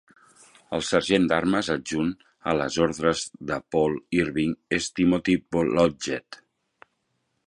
El sergent d'armes adjunt a les ordres de Paul Irving és Timothy Blodgett.